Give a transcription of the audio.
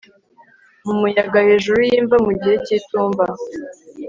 Mu muyaga hejuru yimva mu gihe cyitumba